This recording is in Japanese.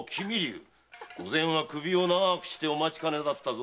御前は首を長くしてお待ちかねだったぞ。